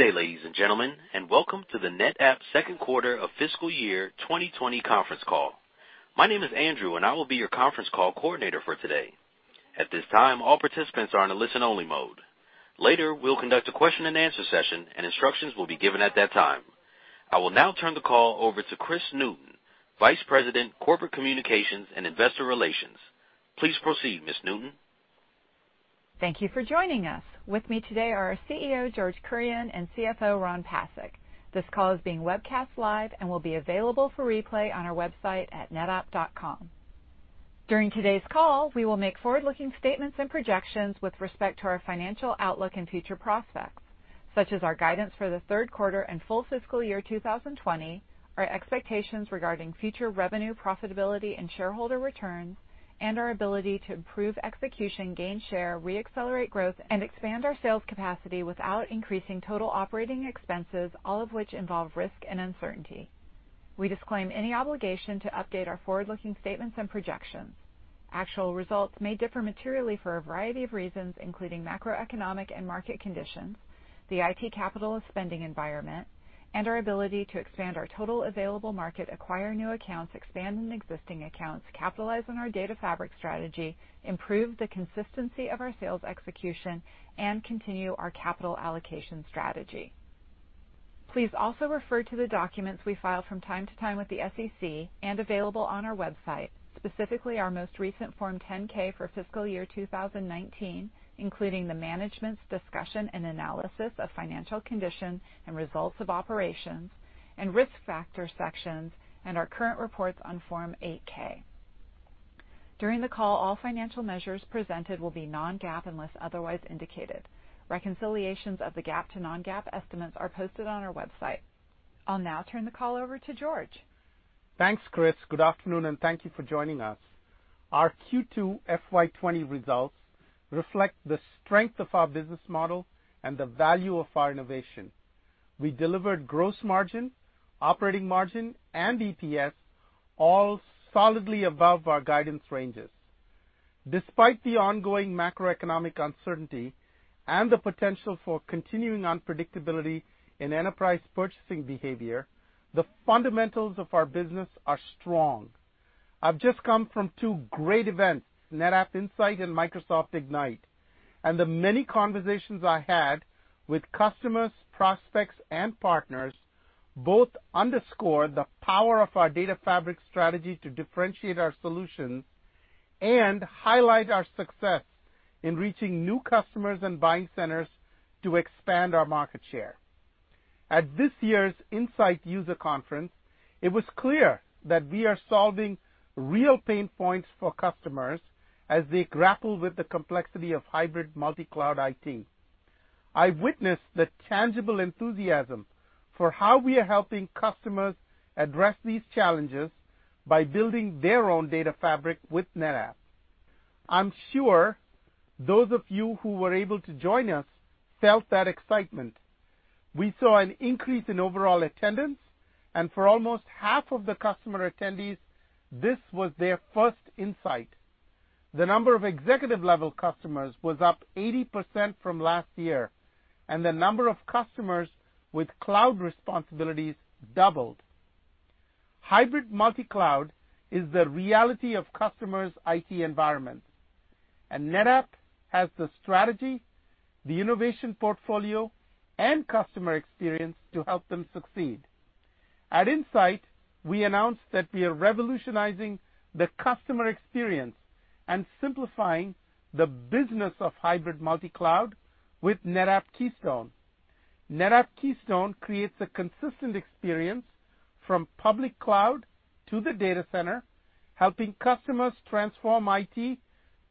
Good day, ladies and gentlemen, and welcome to the NetApp Second Quarter of Fiscal Year 2020 Conference Call. My name is Andrew, and I will be your conference call coordinator for today. At this time, all participants are in a listen-only mode. Later, we'll conduct a question-and-answer session, and instructions will be given at that time. I will now turn the call over to Kris Newton, Vice President, Corporate Communications and Investor Relations. Please proceed, Ms. Newton. Thank you for joining us. With me today are our CEO, George Kurian, and CFO, Ron Pasek. This call is being webcast live and will be available for replay on our website at netapp.com. During today's call, we will make forward-looking statements and projections with respect to our financial outlook and future prospects, such as our guidance for the third quarter and full fiscal year 2020, our expectations regarding future revenue, profitability, and shareholder returns, and our ability to improve execution, gain share, re-accelerate growth, and expand our sales capacity without increasing total operating expenses, all of which involve risk and uncertainty. We disclaim any obligation to update our forward-looking statements and projections. Actual results may differ materially for a variety of reasons, including macroeconomic and market conditions, the IT capitalist spending environment, and our ability to expand our total available market, acquire new accounts, expand existing accounts, capitalize on our Data Fabric strategy, improve the consistency of our sales execution, and continue our capital allocation strategy. Please also refer to the documents we file from time to time with the SEC and available on our website, specifically our most recent Form 10-K for fiscal year 2019, including the management's discussion and analysis of financial condition and results of operations, and risk factor sections, and our current reports on Form 8-K. During the call, all financial measures presented will be non-GAAP unless otherwise indicated. Reconciliations of the GAAP to non-GAAP estimates are posted on our website. I'll now turn the call over to George. Thanks, Kris. Good afternoon, and thank you for joining us. Our Q2 FY 2020 results reflect the strength of our business model and the value of our innovation. We delivered gross margin, operating margin, and EPS, all solidly above our guidance ranges. Despite the ongoing macroeconomic uncertainty and the potential for continuing unpredictability in enterprise purchasing behavior, the fundamentals of our business are strong. I've just come from two great events, NetApp Insight and Microsoft Ignite, and the many conversations I had with customers, prospects, and partners both underscore the power of our Data Fabric strategy to differentiate our solutions and highlight our success in reaching new customers and buying centers to expand our market share. At this year's Insight User Conference, it was clear that we are solving real pain points for customers as they grapple with the complexity of hybrid multi-cloud IT. I witnessed the tangible enthusiasm for how we are helping customers address these challenges by building their own Data Fabric with NetApp. I'm sure those of you who were able to join us felt that excitement. We saw an increase in overall attendance, and for almost half of the customer attendees, this was their first Insight. The number of executive-level customers was up 80% from last year, and the number of customers with cloud responsibilities doubled. Hybrid multi-cloud is the reality of customers' IT environments, and NetApp has the strategy, the innovation portfolio, and customer experience to help them succeed. At Insight, we announced that we are revolutionizing the customer experience and simplifying the business of hybrid multi-cloud with NetApp Keystone. NetApp Keystone creates a consistent experience from public cloud to the data center, helping customers transform IT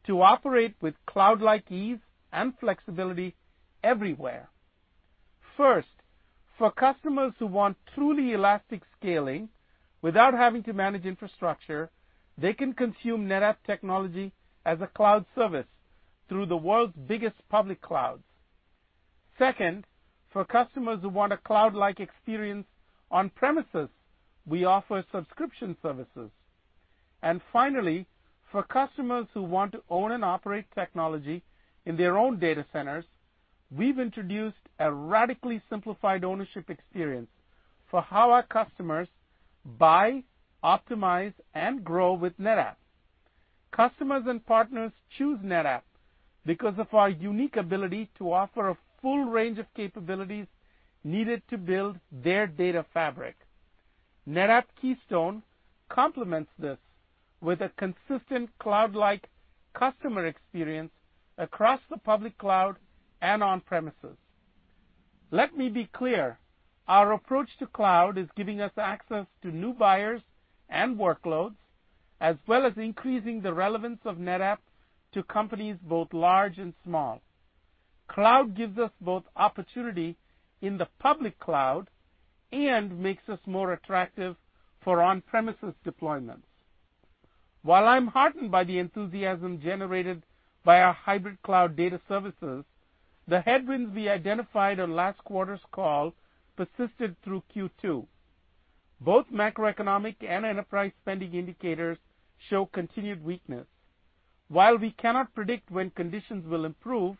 to operate with cloud-like ease and flexibility everywhere. First, for customers who want truly elastic scaling without having to manage infrastructure, they can consume NetApp technology as a cloud service through the world's biggest public clouds. Second, for customers who want a cloud-like experience on premises, we offer subscription services. Finally, for customers who want to own and operate technology in their own data centers, we've introduced a radically simplified ownership experience for how our customers buy, optimize, and grow with NetApp. Customers and partners choose NetApp because of our unique ability to offer a full range of capabilities needed to build their data fabric. NetApp Keystone complements this with a consistent cloud-like customer experience across the public cloud and on premises. Let me be clear: our approach to cloud is giving us access to new buyers and workloads, as well as increasing the relevance of NetApp to companies both large and small. Cloud gives us both opportunity in the public cloud and makes us more attractive for on-premises deployments. While I'm heartened by the enthusiasm generated by our hybrid cloud data services, the headwinds we identified on last quarter's call persisted through Q2. Both macroeconomic and enterprise spending indicators show continued weakness. While we cannot predict when conditions will improve,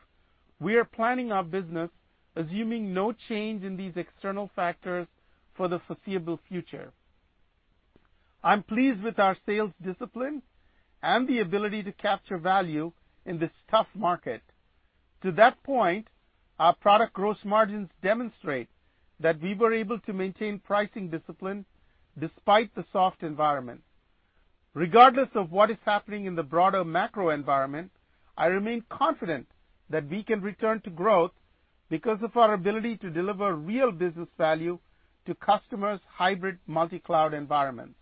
we are planning our business, assuming no change in these external factors for the foreseeable future. I'm pleased with our sales discipline and the ability to capture value in this tough market. To that point, our product gross margins demonstrate that we were able to maintain pricing discipline despite the soft environment. Regardless of what is happening in the broader macro environment, I remain confident that we can return to growth because of our ability to deliver real business value to customers' hybrid multi-cloud environments.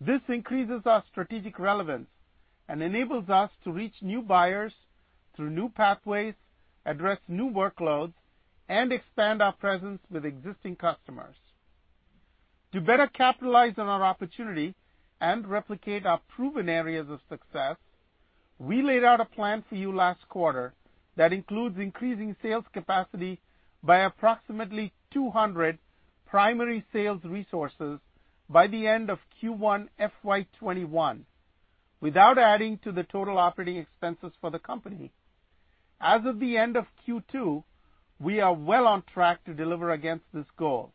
This increases our strategic relevance and enables us to reach new buyers through new pathways, address new workloads, and expand our presence with existing customers. To better capitalize on our opportunity and replicate our proven areas of success, we laid out a plan for you last quarter that includes increasing sales capacity by approximately 200 primary sales resources by the end of Q1 FY 2021, without adding to the total operating expenses for the company. As of the end of Q2, we are well on track to deliver against this goal.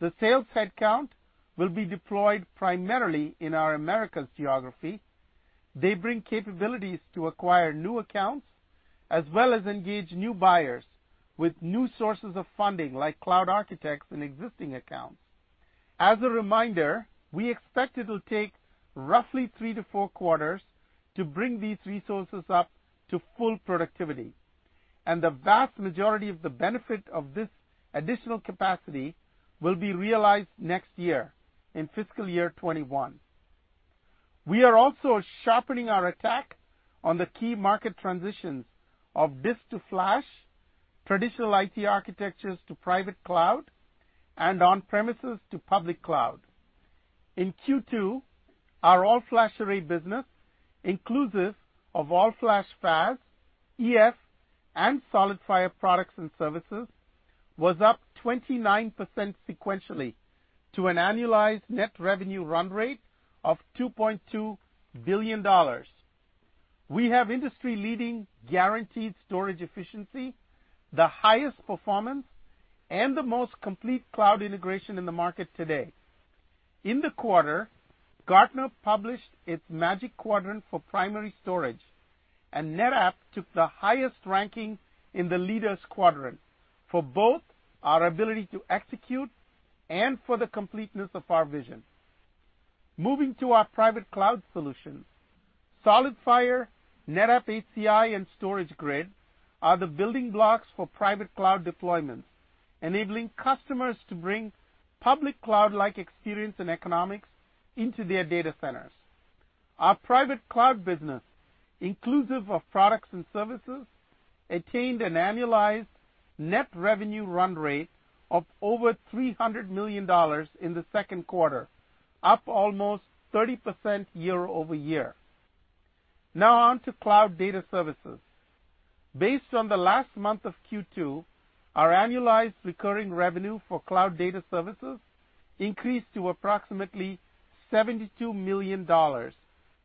The sales headcount will be deployed primarily in our Americas geography. They bring capabilities to acquire new accounts as well as engage new buyers with new sources of funding like cloud architects and existing accounts. As a reminder, we expect it will take roughly three to four quarters to bring these resources up to full productivity, and the vast majority of the benefit of this additional capacity will be realized next year in fiscal year 2021. We are also sharpening our attack on the key market transitions of disk to flash, traditional IT architectures to private cloud, and on premises to public cloud. In Q2, our all-flash array business, inclusive of All Flash FAS, EF, and SolidFire products and services, was up 29% sequentially to an annualized net revenue run rate of $2.2 billion. We have industry-leading guaranteed storage efficiency, the highest performance, and the most complete cloud integration in the market today. In the quarter, Gartner published its Magic Quadrant for primary storage, and NetApp took the highest ranking in the leaders' quadrant for both our ability to execute and for the completeness of our vision. Moving to our private cloud solutions, SolidFire, NetApp HCI, and StorageGRID are the building blocks for private cloud deployments, enabling customers to bring public cloud-like experience and economics into their data centers. Our private cloud business, inclusive of products and services, attained an annualized net revenue run rate of over $300 million in the second quarter, up almost 30% year-over-year. Now on to cloud data services. Based on the last month of Q2, our annualized recurring revenue for cloud data services increased to approximately $72 million,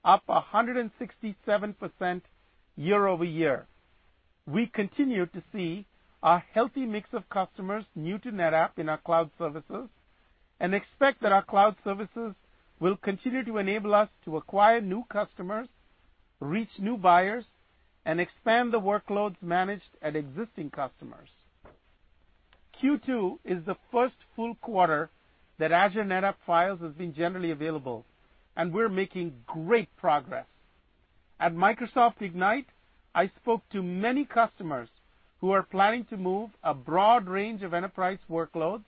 up 167% year-over-year. We continue to see a healthy mix of customers new to NetApp in our cloud services and expect that our cloud services will continue to enable us to acquire new customers, reach new buyers, and expand the workloads managed at existing customers. Q2 is the first full quarter that Azure NetApp Files has been generally available, and we're making great progress. At Microsoft Ignite, I spoke to many customers who are planning to move a broad range of enterprise workloads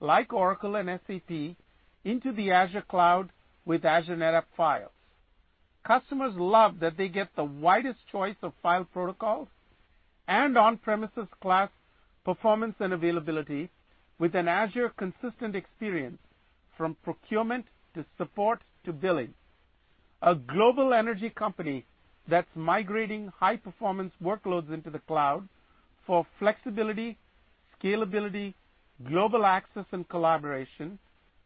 like Oracle and SAP into the Azure Cloud with Azure NetApp Files. Customers love that they get the widest choice of file protocols and on-premises-class performance and availability with an Azure-consistent experience from procurement to support to billing. A global energy company that's migrating high-performance workloads into the cloud for flexibility, scalability, global access, and collaboration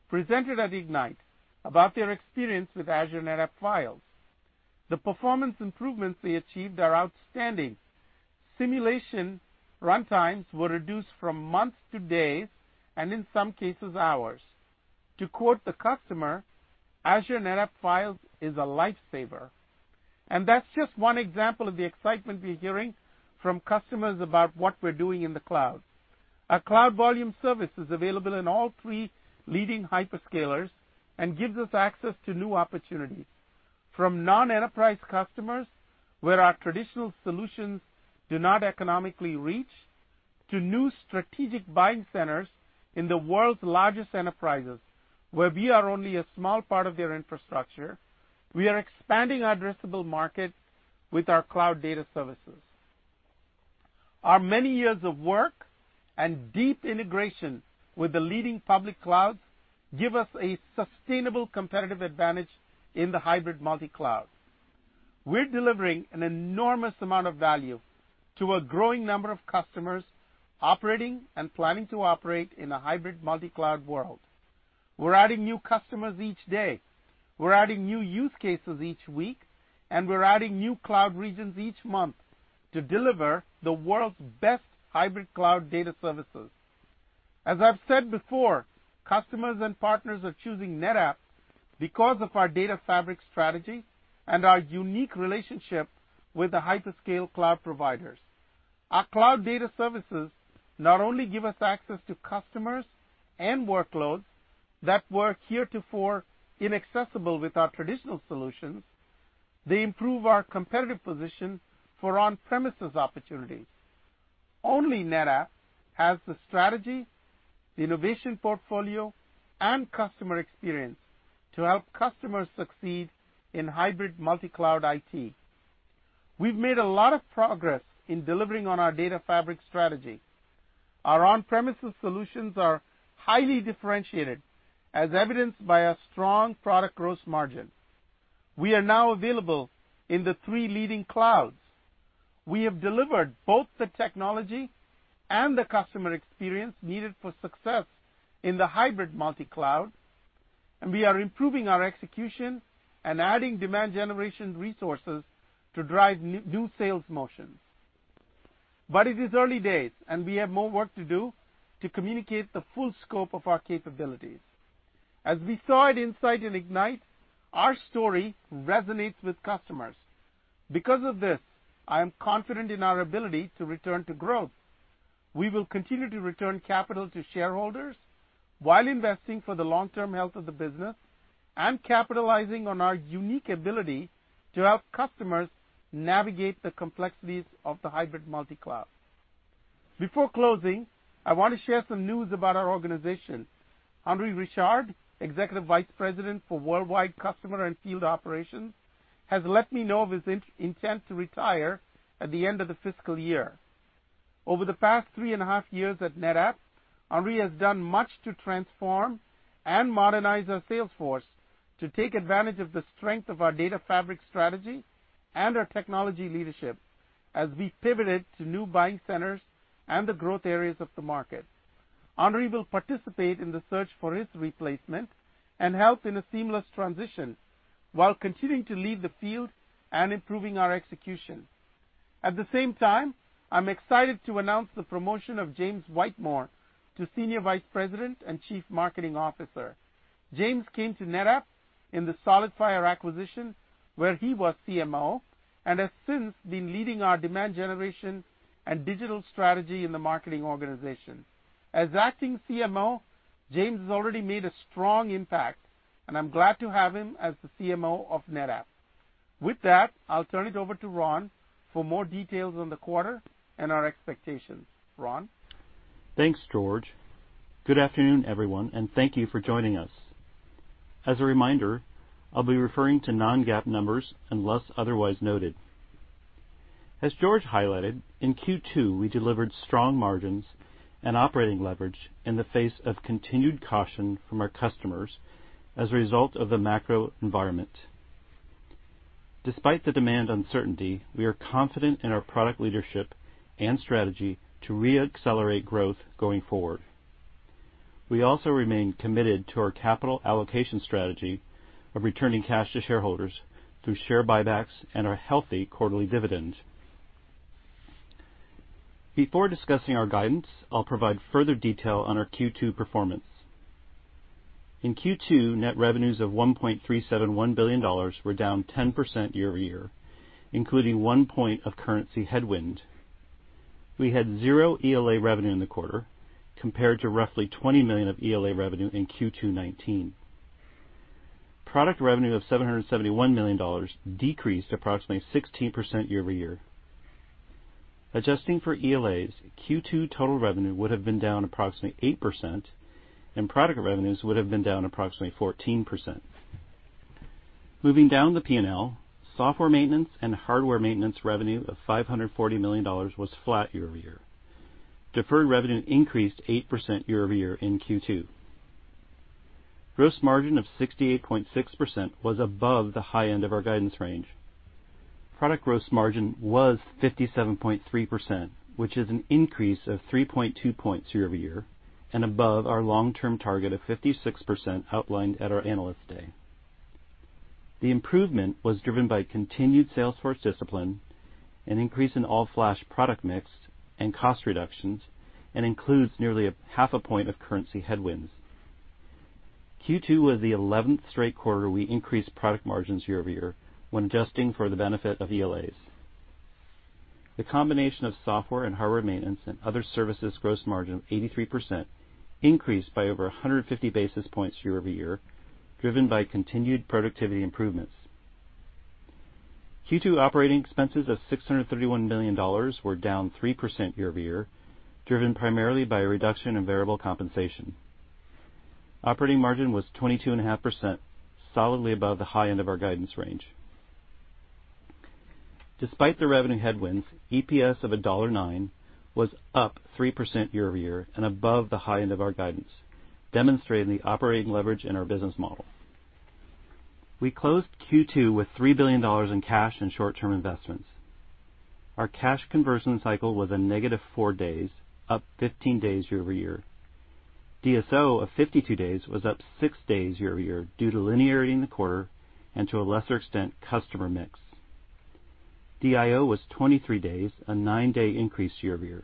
presented at Ignite about their experience with Azure NetApp Files. The performance improvements they achieved are outstanding. Simulation run times were reduced from months to days and, in some cases, hours. To quote the customer, "Azure NetApp Files is a lifesaver." That is just one example of the excitement we are hearing from customers about what we are doing in the cloud. Our Cloud Volumes Service is available in all three leading hyperscalers and gives us access to new opportunities. From non-enterprise customers, where our traditional solutions do not economically reach, to new strategic buying centers in the world's largest enterprises, where we are only a small part of their infrastructure, we are expanding our addressable market with our cloud data services. Our many years of work and deep integration with the leading public clouds give us a sustainable competitive advantage in the hybrid multi-cloud. We're delivering an enormous amount of value to a growing number of customers operating and planning to operate in a hybrid multi-cloud world. We're adding new customers each day. We're adding new use cases each week, and we're adding new cloud regions each month to deliver the world's best hybrid cloud data services. As I've said before, customers and partners are choosing NetApp because of our data fabric strategy and our unique relationship with the hyperscale cloud providers. Our cloud data services not only give us access to customers and workloads that were heretofore inaccessible with our traditional solutions, they improve our competitive position for on-premises opportunities. Only NetApp has the strategy, the innovation portfolio, and customer experience to help customers succeed in hybrid multi-cloud IT. We've made a lot of progress in delivering on our data fabric strategy. Our on-premises solutions are highly differentiated, as evidenced by our strong product gross margin. We are now available in the three leading clouds. We have delivered both the technology and the customer experience needed for success in the hybrid multi-cloud, and we are improving our execution and adding demand-generation resources to drive new sales motions. It is early days, and we have more work to do to communicate the full scope of our capabilities. As we saw at Insight and Ignite, our story resonates with customers. Because of this, I am confident in our ability to return to growth. We will continue to return capital to shareholders while investing for the long-term health of the business and capitalizing on our unique ability to help customers navigate the complexities of the hybrid multi-cloud. Before closing, I want to share some news about our organization. Henri Richard, Executive Vice President for Worldwide Customer and Field Operations, has let me know of his intent to retire at the end of the fiscal year. Over the past three and a half years at NetApp, Henri has done much to transform and modernize our sales force to take advantage of the strength of our Data Fabric strategy and our technology leadership as we pivoted to new buying centers and the growth areas of the market. Henri will participate in the search for his replacement and help in a seamless transition while continuing to lead the field and improving our execution. At the same time, I'm excited to announce the promotion of James Whitemore to Senior Vice President and Chief Marketing Officer. James came to NetApp in the SolidFire acquisition where he was CMO and has since been leading our demand generation and digital strategy in the marketing organization. As acting CMO, James has already made a strong impact, and I'm glad to have him as the CMO of NetApp. With that, I'll turn it over to Ron for more details on the quarter and our expectations. Ron. Thanks, George. Good afternoon, everyone, and thank you for joining us. As a reminder, I'll be referring to non-GAAP numbers unless otherwise noted. As George highlighted, in Q2, we delivered strong margins and operating leverage in the face of continued caution from our customers as a result of the macro environment. Despite the demand uncertainty, we are confident in our product leadership and strategy to re-accelerate growth going forward. We also remain committed to our capital allocation strategy of returning cash to shareholders through share buybacks and our healthy quarterly dividends. Before discussing our guidance, I'll provide further detail on our Q2 performance. In Q2, net revenues of $1.371 billion were down 10% year-over-year, including one point of currency headwind. We had zero ELA revenue in the quarter compared to roughly $20 million of ELA revenue in Q2 2019. Product revenue of $771 million decreased approximately 16% year-over-year. Adjusting for ELAs, Q2 total revenue would have been down approximately 8%, and product revenues would have been down approximately 14%. Moving down the P&L, software maintenance and hardware maintenance revenue of $540 million was flat year-over-year. Deferred revenue increased 8% year-over-year in Q2. Gross margin of 68.6% was above the high end of our guidance range. Product gross margin was 57.3%, which is an increase of 3.2 points year-over-year and above our long-term target of 56% outlined at our analyst day. The improvement was driven by continued sales force discipline, an increase in all-flash product mix, and cost reductions, and includes nearly half a point of currency headwinds. Q2 was the 11th straight quarter we increased product margins year-over-year when adjusting for the benefit of ELAs. The combination of software and hardware maintenance and other services gross margin of 83% increased by over 150 basis points year-over-year, driven by continued productivity improvements. Q2 operating expenses of $631 million were down 3% year-over-year, driven primarily by a reduction in variable compensation. Operating margin was 22.5%, solidly above the high end of our guidance range. Despite the revenue headwinds, EPS of $1.09 was up 3% year-over-year and above the high end of our guidance, demonstrating the operating leverage in our business model. We closed Q2 with $3 billion in cash and short-term investments. Our cash conversion cycle was a negative four days, up 15 days year-over-year. DSO of 52 days was up six days year-over-year due to linearity in the quarter and, to a lesser extent, customer mix. DIO was 23 days, a nine-day increase year-over-year.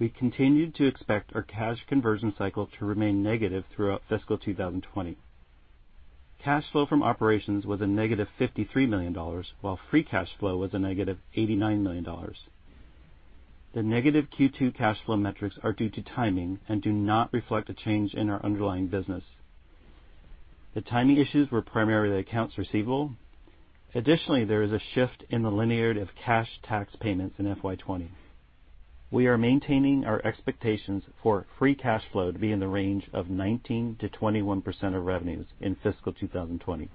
We continued to expect our cash conversion cycle to remain negative throughout fiscal 2020. Cash flow from operations was a -$53 million, while free cash flow was a -$89 million. The negative Q2 cash flow metrics are due to timing and do not reflect a change in our underlying business. The timing issues were primarily accounts receivable. Additionally, there is a shift in the linearity of cash tax payments in FY 2020. We are maintaining our expectations for free cash flow to be in the range of 19%-21% of revenues in fiscal 2020.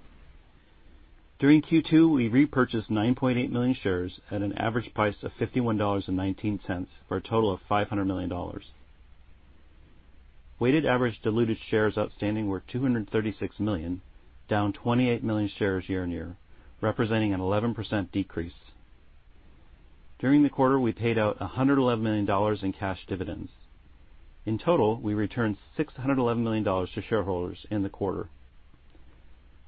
During Q2, we repurchased 9.8 million shares at an average price of $51.19 for a total of $500 million. Weighted average diluted shares outstanding were $236 million, down $28 million shares year-on-year, representing an 11% decrease. During the quarter, we paid out $111 million in cash dividends. In total, we returned $611 million to shareholders in the quarter.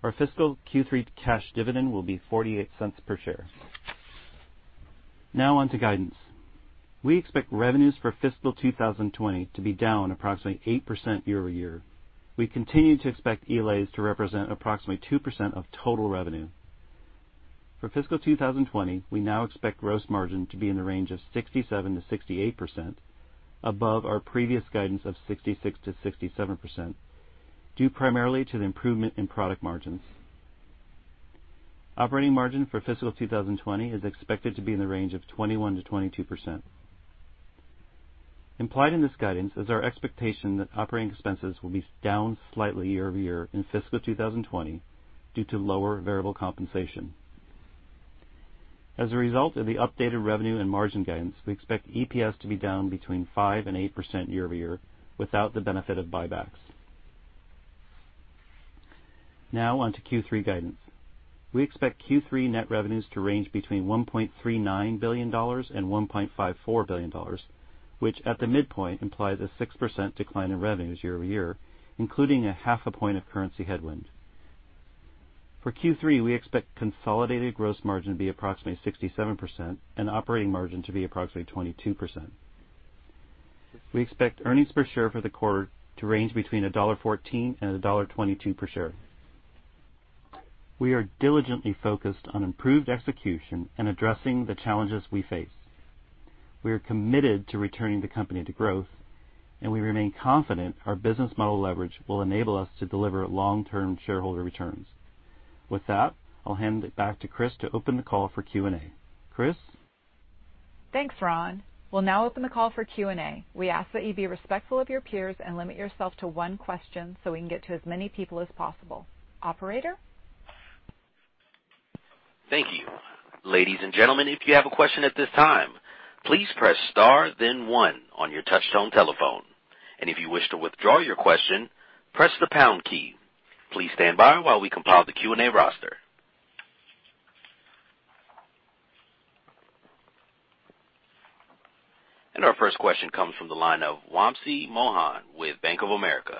Our fiscal Q3 cash dividend will be $0.48 per share. Now on to guidance. We expect revenues for fiscal 2020 to be down approximately 8% year-over-year. We continue to expect ELAs to represent approximately 2% of total revenue. For fiscal 2020, we now expect gross margin to be in the range of 67%-68%, above our previous guidance of 66%-67%, due primarily to the improvement in product margins. Operating margin for fiscal 2020 is expected to be in the range of 21%-22%. Implied in this guidance is our expectation that operating expenses will be down slightly year-over-year in fiscal 2020 due to lower variable compensation. As a result of the updated revenue and margin guidance, we expect EPS to be down between 5% and 8% year-over-year without the benefit of buybacks. Now on to Q3 guidance. We expect Q3 net revenues to range between $1.39 billion and $1.54 billion, which at the midpoint implies a 6% decline in revenues year-over-year, including a half a point of currency headwind. For Q3, we expect consolidated gross margin to be approximately 67% and operating margin to be approximately 22%. We expect earnings per share for the quarter to range between $1.14 and $1.22 per share. We are diligently focused on improved execution and addressing the challenges we face. We are committed to returning the company to growth, and we remain confident our business model leverage will enable us to deliver long-term shareholder returns. With that, I'll hand it back to Kris to open the call for Q&A. Kris. Thanks, Ron. We'll now open the call for Q&A. We ask that you be respectful of your peers and limit yourself to one question so we can get to as many people as possible. Operator. Thank you. Ladies and gentlemen, if you have a question at this time, please press star, then one on your touchstone telephone. If you wish to withdraw your question, press the pound key. Please stand by while we compile the Q&A roster. Our first question comes from the line of Wamsi Mohan with Bank of America.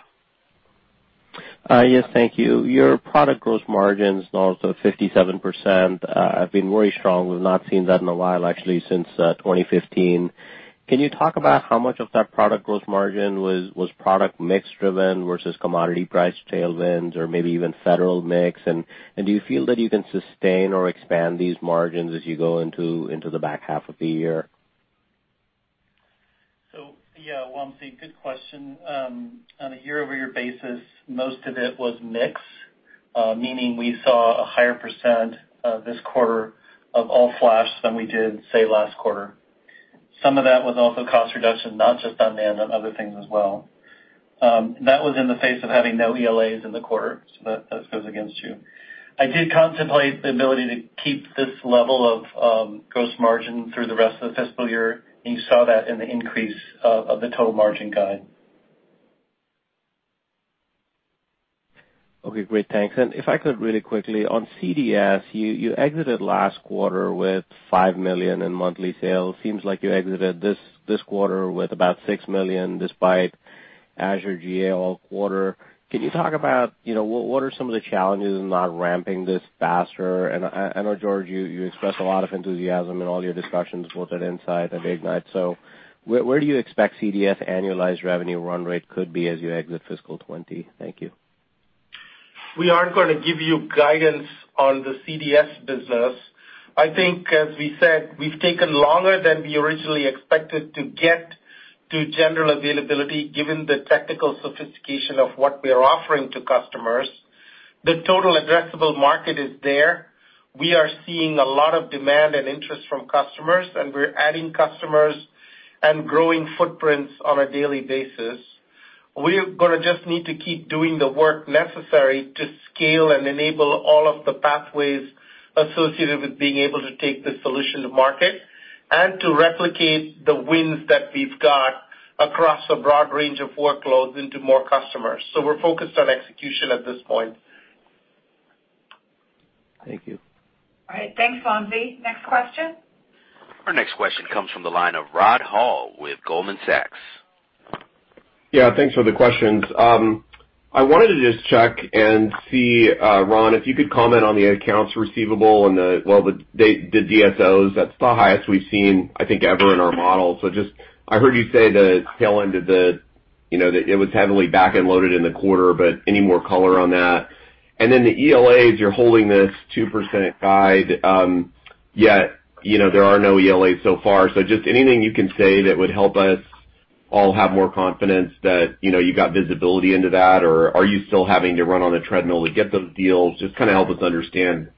Yes, thank you. Your product gross margin is north of 57%. I've been very strong. We've not seen that in a while, actually, since 2015. Can you talk about how much of that product gross margin was product mix driven versus commodity price tailwinds or maybe even federal mix? Do you feel that you can sustain or expand these margins as you go into the back half of the year? Yeah, Wamsi, good question. On a year-over-year basis, most of it was mix, meaning we saw a higher % this quarter of all flash than we did, say, last quarter. Some of that was also cost reduction, not just on demand, on other things as well. That was in the face of having no ELAs in the quarter, so that goes against you. I did contemplate the ability to keep this level of gross margin through the rest of the fiscal year, and you saw that in the increase of the total margin guide. Okay, great. Thanks. If I could, really quickly, on CDS, you exited last quarter with $5 million in monthly sales. Seems like you exited this quarter with about $6 million despite Azure, GA all quarter. Can you talk about what are some of the challenges in not ramping this faster? I know, George, you expressed a lot of enthusiasm in all your discussions with that insight at Ignite. Where do you expect CDS annualized revenue run rate could be as you exit fiscal 2020? Thank you. We aren't going to give you guidance on the CDS business. I think, as we said, we've taken longer than we originally expected to get to general availability given the technical sophistication of what we are offering to customers. The total addressable market is there. We are seeing a lot of demand and interest from customers, and we're adding customers and growing footprints on a daily basis. We're going to just need to keep doing the work necessary to scale and enable all of the pathways associated with being able to take the solution to market and to replicate the wins that we've got across a broad range of workloads into more customers. We are focused on execution at this point. Thank you. All right. Thanks, Wamsi. Next question. Our next question comes from the line of Rod Hall with Goldman Sachs. Yeah, thanks for the questions. I wanted to just check and see, Ron, if you could comment on the accounts receivable and the, well, the DSOs. That's the highest we've seen, I think, ever in our model. I heard you say the tail end of the it was heavily back and loaded in the quarter, but any more color on that? The ELAs, you're holding this 2% guide, yet there are no ELAs so far. Just anything you can say that would help us all have more confidence that you got visibility into that, or are you still having to run on the treadmill to get those deals? Just kind of help us understand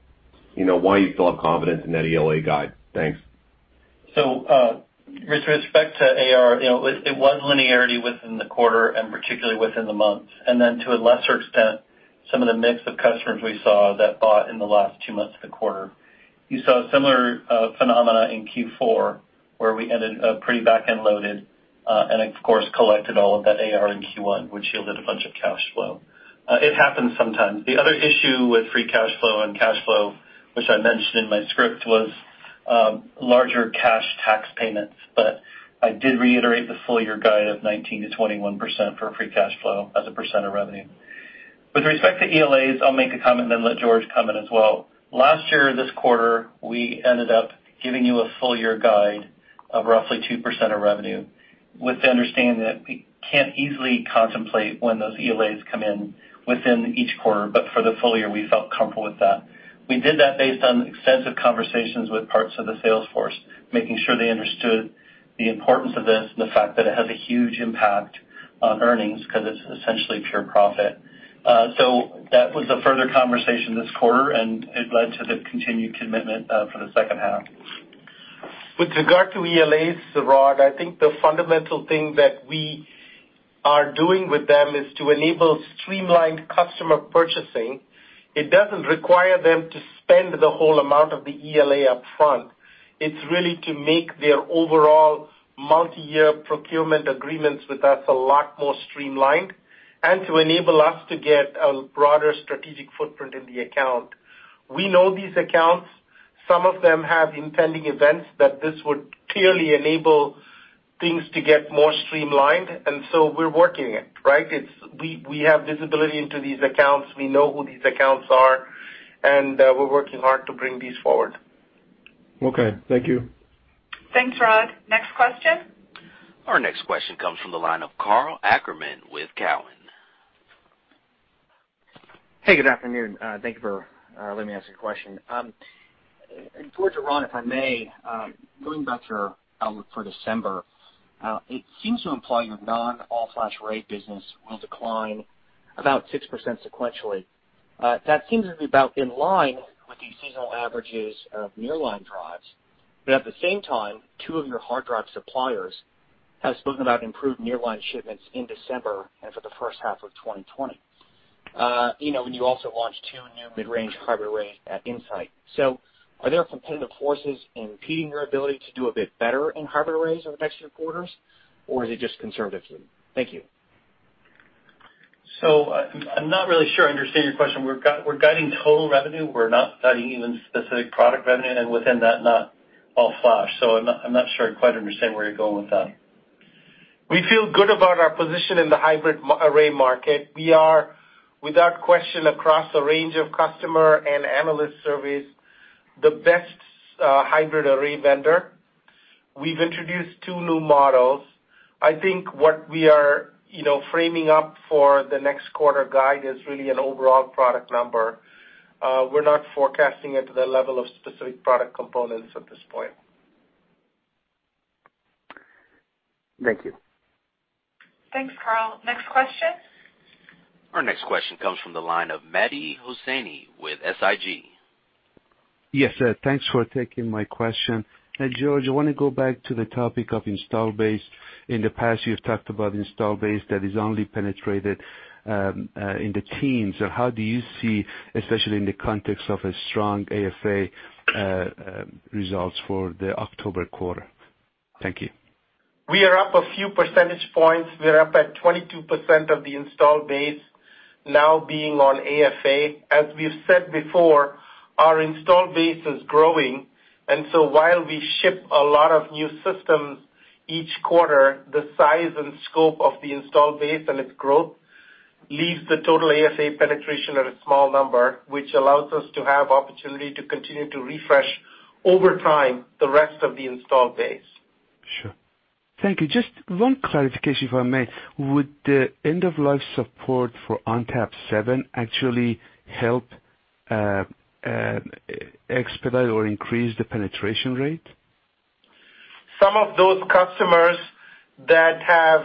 why you still have confidence in that ELA guide. Thanks. With respect to AR, it was linearity within the quarter and particularly within the month. To a lesser extent, some of the mix of customers we saw that bought in the last two months of the quarter. You saw similar phenomena in Q4 where we ended up pretty back and loaded and, of course, collected all of that AR in Q1, which yielded a bunch of cash flow. It happens sometimes. The other issue with free cash flow and cash flow, which I mentioned in my script, was larger cash tax payments. I did reiterate the full year guide of 19%-21% for free cash flow as a percent of revenue. With respect to ELAs, I'll make a comment and then let George comment as well. Last year, this quarter, we ended up giving you a full year guide of roughly 2% of revenue with the understanding that we can't easily contemplate when those ELAs come in within each quarter, but for the full year, we felt comfortable with that. We did that based on extensive conversations with parts of the sales force, making sure they understood the importance of this and the fact that it has a huge impact on earnings because it's essentially pure profit. That was a further conversation this quarter, and it led to the continued commitment for the second half. With regard to ELAs, Rod, I think the fundamental thing that we are doing with them is to enable streamlined customer purchasing. It doesn't require them to spend the whole amount of the ELA upfront. It's really to make their overall multi-year procurement agreements with us a lot more streamlined and to enable us to get a broader strategic footprint in the account. We know these accounts. Some of them have impending events that this would clearly enable things to get more streamlined. We are working it, right? We have visibility into these accounts. We know who these accounts are, and we're working hard to bring these forward. Okay. Thank you. Thanks, Rod. Next question. Our next question comes from the line of Karl Ackerman with Cowen. Hey, good afternoon. Thank you for letting me ask a question. George or Ron, if I may, going back to your outlook for December, it seems to imply your non-all-flash rate business will decline about 6% sequentially. That seems to be about in line with the seasonal averages of nearline drives. At the same time, two of your hard drive suppliers have spoken about improved nearline shipments in December and for the first half of 2020, when you also launched two new mid-range hybrid arrays at Insight. Are there competitive forces impeding your ability to do a bit better in hybrid arrays over the next few quarters, or is it just conservative? Thank you. I'm not really sure I understand your question. We're guiding total revenue. We're not guiding even specific product revenue and within that, not all flash. I'm not sure I quite understand where you're going with that. We feel good about our position in the hybrid array market. We are, without question, across the range of customer and analyst surveys, the best hybrid array vendor. We've introduced two new models. I think what we are framing up for the next quarter guide is really an overall product number. We're not forecasting it to the level of specific product components at this point. Thank you. Thanks, Karl. Next question. Our next question comes from the line of Mehdi Hosseini with SIG. Yes, sir. Thanks for taking my question. George, I want to go back to the topic of install-based. In the past, you've talked about install-based that is only penetrated in the teens. How do you see, especially in the context of a strong AFA results for the October quarter? Thank you. We are up a few percentage points. We're up at 22% of the install-based now being on AFA. As we've said before, our install-based is growing. While we ship a lot of new systems each quarter, the size and scope of the install base and its growth leaves the total AFA penetration at a small number, which allows us to have opportunity to continue to refresh over time the rest of the install base. Sure. Thank you. Just one clarification, if I may. Would the end-of-life support for ONTAP 7 actually help expedite or increase the penetration rate? Some of those customers that have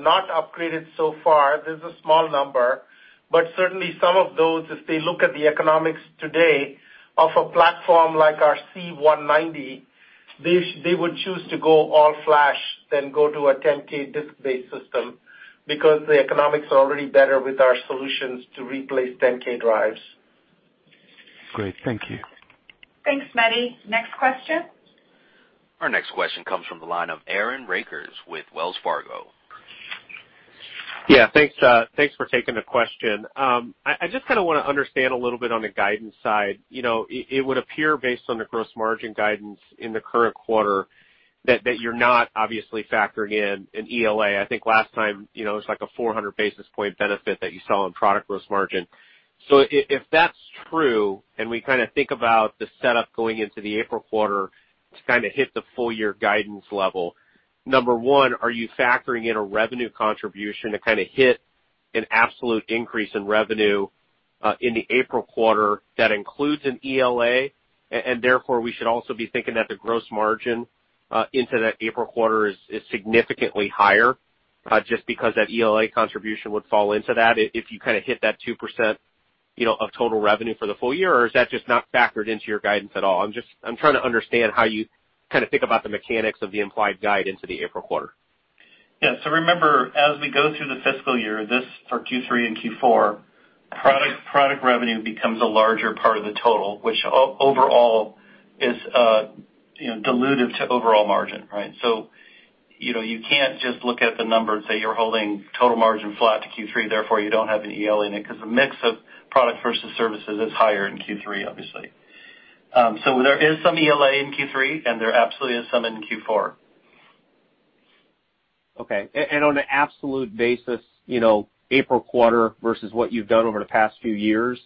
not upgraded so far, there's a small number, but certainly some of those, if they look at the economics today of a platform like our C190, they would choose to go all flash, then go to a 10K disk-based system because the economics are already better with our solutions to replace 10K drives. Great. Thank you. Thanks, Mehdi. Next question. Our next question comes from the line of Aaron Rakers with Wells Fargo. Yeah, thanks for taking the question. I just kind of want to understand a little bit on the guidance side. It would appear, based on the gross margin guidance in the current quarter, that you're not obviously factoring in an ELA. I think last time it was like a 400 basis point benefit that you saw in product gross margin. If that's true and we kind of think about the setup going into the April quarter to kind of hit the full year guidance level, number one, are you factoring in a revenue contribution to kind of hit an absolute increase in revenue in the April quarter that includes an ELA? Therefore, we should also be thinking that the gross margin into that April quarter is significantly higher just because that ELA contribution would fall into that if you kind of hit that 2% of total revenue for the full year, or is that just not factored into your guidance at all? I'm trying to understand how you kind of think about the mechanics of the implied guide into the April quarter. Yeah. Remember, as we go through the fiscal year, this for Q3 and Q4, product revenue becomes a larger part of the total, which overall is dilutive to overall margin, right? You can't just look at the number and say you're holding total margin flat to Q3, therefore you don't have an ELA in it because the mix of product versus services is higher in Q3, obviously. There is some ELA in Q3, and there absolutely is some in Q4. Okay. On an absolute basis, April quarter versus what you've done over the past few years,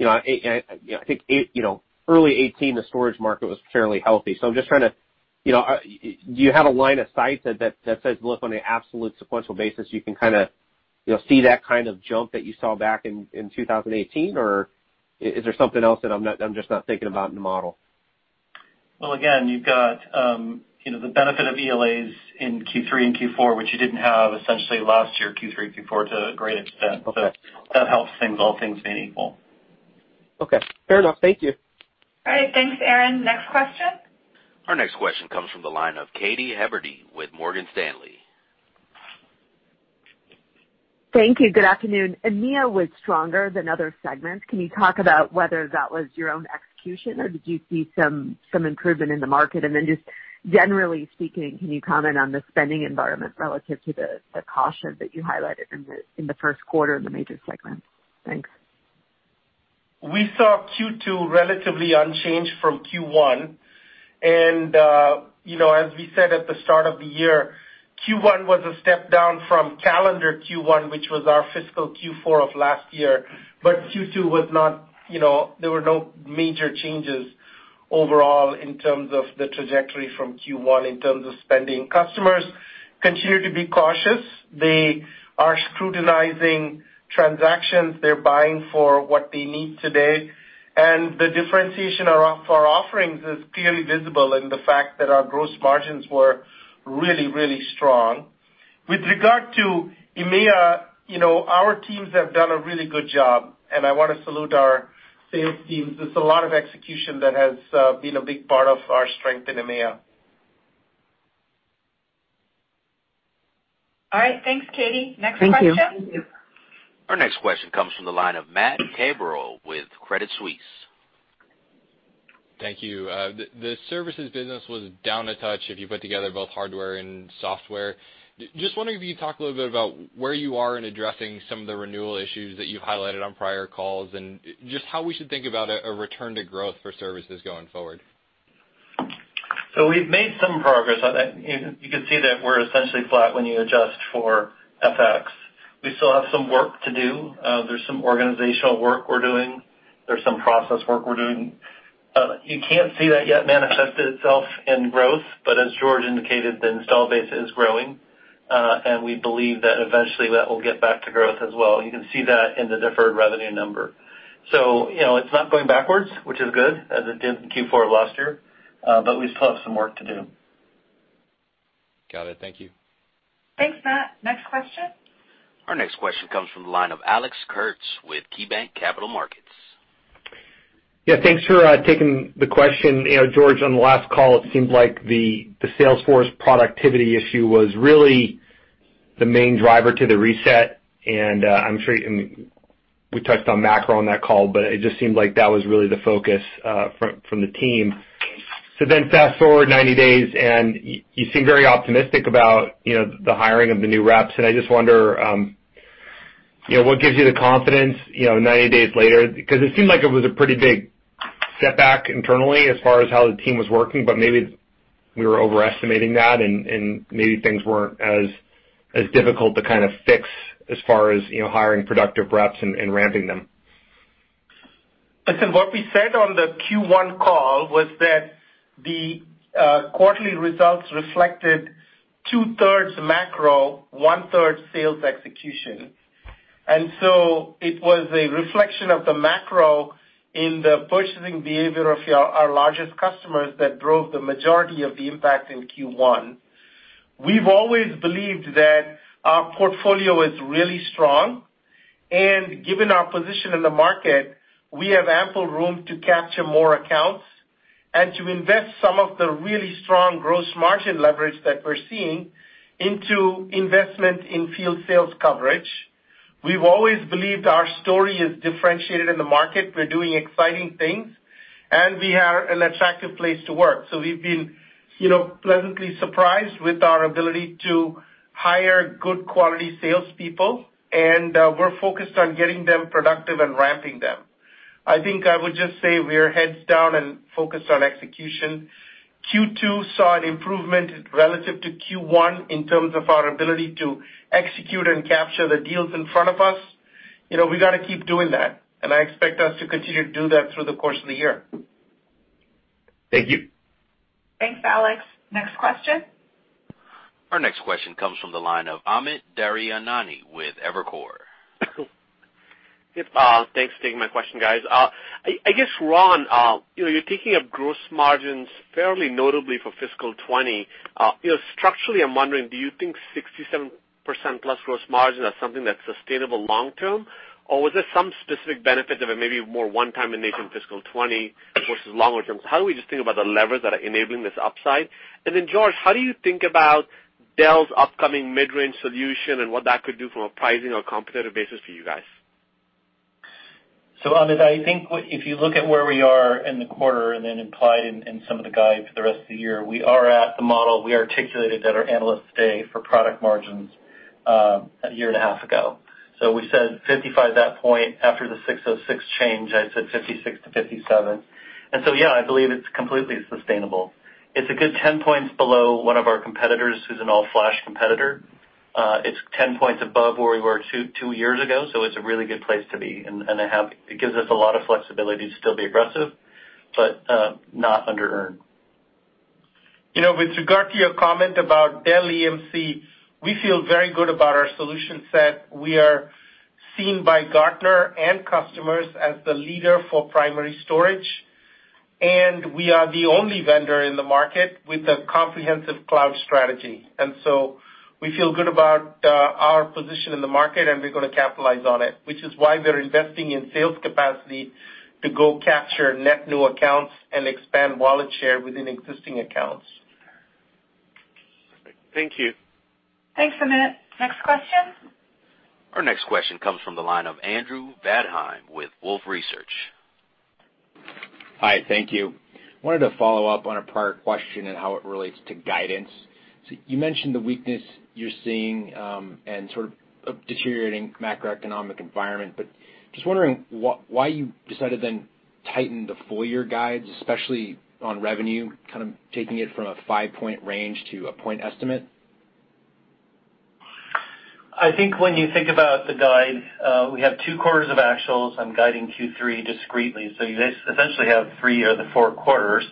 I think early 2018, the storage market was fairly healthy. I'm just trying to do you have a line of sight that says, "Look, on an absolute sequential basis, you can kind of see that kind of jump that you saw back in 2018," or is there something else that I'm just not thinking about in the model? Again, you've got the benefit of ELAs in Q3 and Q4, which you didn't have essentially last year, Q3 and Q4, to a great extent. That helps things, all things being equal. Okay. Fair enough. Thank you. All right. Thanks, Aaron. Next question. Our next question comes from the line of Katy Huberty with Morgan Stanley. Thank you. Good afternoon. EMEA was stronger than other segments. Can you talk about whether that was your own execution, or did you see some improvement in the market? Just generally speaking, can you comment on the spending environment relative to the caution that you highlighted in the first quarter in the major segments? Thanks. We saw Q2 relatively unchanged from Q1. As we said at the start of the year, Q1 was a step down from calendar Q1, which was our fiscal Q4 of last year, but Q2 was not. There were no major changes overall in terms of the trajectory from Q1 in terms of spending. Customers continue to be cautious. They are scrutinizing transactions. They're buying for what they need today. The differentiation of our offerings is clearly visible in the fact that our gross margins were really, really strong. With regard to EMEA, our teams have done a really good job, and I want to salute our sales teams. There is a lot of execution that has been a big part of our strength in EMEA. All right. Thanks, Katy. Next question. Thank you. Our next question comes from the line of Matt Cabral with Credit Suisse. Thank you. The services business was down a touch if you put together both hardware and software. Just wondering if you could talk a little bit about where you are in addressing some of the renewal issues that you have highlighted on prior calls and just how we should think about a return to growth for services going forward. We have made some progress. You can see that we are essentially flat when you adjust for FX. We still have some work to do. There is some organizational work we are doing. There's some process work we're doing. You can't see that yet manifested itself in growth, but as George indicated, the install base is growing, and we believe that eventually that will get back to growth as well. You can see that in the deferred revenue number. It's not going backwards, which is good, as it did in Q4 of last year, but we still have some work to do. Got it. Thank you. Thanks, Matt. Next question. Our next question comes from the line of Alex Kurtz with KeyBanc Capital Markets. Yeah. Thanks for taking the question. George, on the last call, it seemed like the Salesforce productivity issue was really the main driver to the reset. I'm sure we touched on macro on that call, but it just seemed like that was really the focus from the team. Fast forward 90 days, and you seem very optimistic about the hiring of the new reps. I just wonder, what gives you the confidence 90 days later? Because it seemed like it was a pretty big setback internally as far as how the team was working, but maybe we were overestimating that, and maybe things were not as difficult to kind of fix as far as hiring productive reps and ramping them. What we said on the Q1 call was that the quarterly results reflected 2/3 macro, 1/3 sales execution. It was a reflection of the macro in the purchasing behavior of our largest customers that drove the majority of the impact in Q1. We have always believed that our portfolio is really strong. Given our position in the market, we have ample room to capture more accounts and to invest some of the really strong gross margin leverage that we're seeing into investment in field sales coverage. We've always believed our story is differentiated in the market. We're doing exciting things, and we have an attractive place to work. We've been pleasantly surprised with our ability to hire good quality salespeople, and we're focused on getting them productive and ramping them. I think I would just say we're heads down and focused on execution. Q2 saw an improvement relative to Q1 in terms of our ability to execute and capture the deals in front of us. We got to keep doing that, and I expect us to continue to do that through the course of the year. Thank you. Thanks, Alex. Next question. Our next question comes from the line of Amit Daryanani with Evercore. Thanks for taking my question, guys. I guess, Ron, you're taking up gross margins fairly notably for fiscal 2020. Structurally, I'm wondering, do you think 67% plus gross margin is something that's sustainable long term, or was there some specific benefit of it maybe more one-time in nature in fiscal 2020 versus longer term? How do we just think about the levers that are enabling this upside? George, how do you think about Dell's upcoming mid-range solution and what that could do from a pricing or competitive basis for you guys? Amit, I think if you look at where we are in the quarter and then implied in some of the guide for the rest of the year, we are at the model we articulated at our analysts today for product margins a year and a half ago. We said 55% at that point. After the 606 change, I said 56%-57%. I believe it's completely sustainable. It's a good 10 points below one of our competitors who's an all-flash competitor. It's 10 points above where we were two years ago, so it's a really good place to be. It gives us a lot of flexibility to still be aggressive but not under-earned. With regard to your comment about Dell EMC, we feel very good about our solution set. We are seen by Gartner and customers as the leader for primary storage, and we are the only vendor in the market with a comprehensive cloud strategy. We feel good about our position in the market, and we are going to capitalize on it, which is why we are investing in sales capacity to go capture net new accounts and expand wallet share within existing accounts. Thank you. Thanks, Amit. Next question. Our next question comes from the line of Andrew Vadheim with Wolfe Research. Hi. Thank you. Wanted to follow up on a prior question and how it relates to guidance. You mentioned the weakness you are seeing and sort of a deteriorating macroeconomic environment, but just wondering why you decided then to tighten the full year guides, especially on revenue, kind of taking it from a five-point range to a point estimate? I think when you think about the guide, we have two quarters of actuals. I'm guiding Q3 discreetly. You essentially have three of the four quarters.